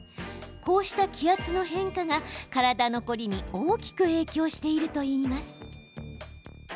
こうした気圧の変化が体の凝りに大きく影響しているといいます。